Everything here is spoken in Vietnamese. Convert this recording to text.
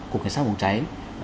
cục cảnh sát bộ cháy